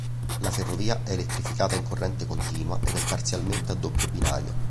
La ferrovia è elettrificata in corrente continua ed è parzialmente a doppio binario.